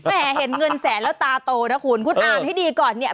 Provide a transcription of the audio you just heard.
เห็นเงินแสนแล้วตาโตนะคุณคุณอ่านให้ดีก่อนเนี่ย